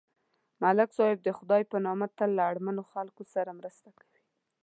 ملک صاحب د خدای په نامه تل له اړمنو خلکو سره مرسته کوي.